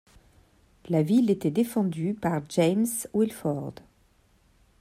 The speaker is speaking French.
La ville était défendue par James Wilford.